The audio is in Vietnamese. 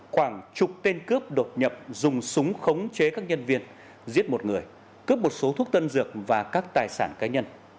khoảng chục tên cướp đột nhập dùng súng khống chế các nhân viên giết một người cướp một số thuốc tân dược và các tài sản cá nhân